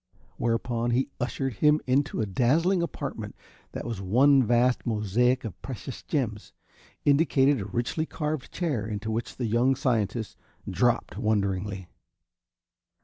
Whereupon he ushered him into a dazzling apartment that was one vast mosaic of precious gems, indicated a richly carved chair, into which the young scientist dropped wonderingly.